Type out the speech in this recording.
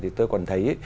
thì tôi còn thấy